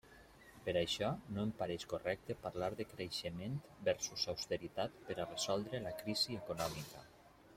Per això, no em pareix correcte parlar de creixement versus austeritat per a resoldre la crisi econòmica.